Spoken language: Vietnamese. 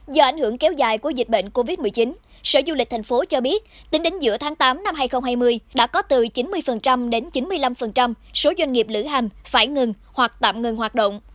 do ảnh hưởng kéo dài của dịch bệnh covid một mươi chín sở du lịch thành phố cho biết tính đến giữa tháng tám năm hai nghìn hai mươi đã có từ chín mươi đến chín mươi năm số doanh nghiệp lữ hành phải ngừng hoặc tạm ngừng hoạt động